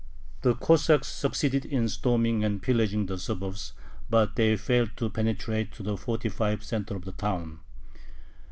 The Cossacks succeeded in storming and pillaging the suburbs, but they failed to penetrate to the fortified center of the town.